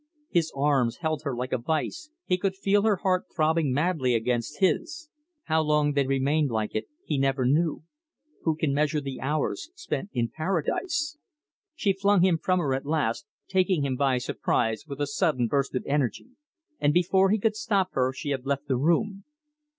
His arms held her like a vice, he could feel her heart throbbing madly against his. How long they remained like it he never knew who can measure the hours spent in Paradise! She flung him from her at last, taking him by surprise with a sudden burst of energy, and before he could stop her she had left the room.